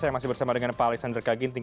saya masih bersama dengan pak alexander kaginting